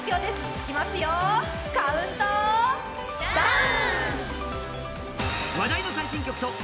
いきますよ、カウントダウン！